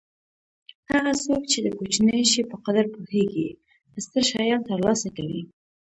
هغه څوک چې د کوچني شي په قدر پوهېږي ستر شیان ترلاسه کوي.